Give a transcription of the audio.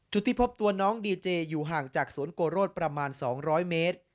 จุดที่พบตัวน้องดีเจอยู่ห่างจากสวนโกโรธประมาณ๒๐๐เมตร